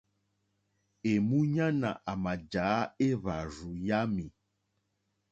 Èmúɲánà àmà jǎ éhwàrzù yámì.